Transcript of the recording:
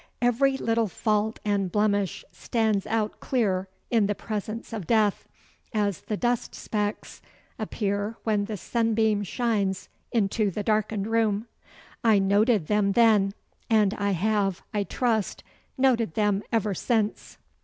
Every little fault and blemish stands out clear in the presence of death, as the dust specks appear when the sunbeam shines into the darkened room. I noted them then, and I have, I trust, noted them ever since.